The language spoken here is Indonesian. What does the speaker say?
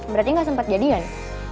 berarti gak sempet jadi kan